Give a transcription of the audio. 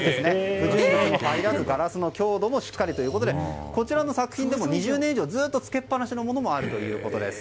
不純物も入らず、ガラスの強度もしっかりということでこちらの作品ですと２０年以上ずっとつけっぱなしのものもあるということです。